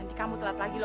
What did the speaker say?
nanti kamu telat lagi lho